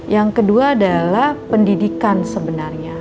yang kedua adalah pendidikan sebenarnya